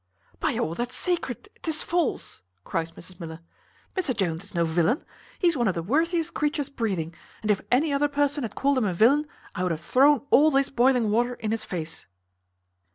"By all that's sacred 'tis false," cries Mrs Miller. "Mr Jones is no villain. He is one of the worthiest creatures breathing; and if any other person had called him villain, I would have thrown all this boiling water in his face."